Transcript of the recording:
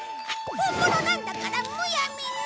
本物なんだからむやみに。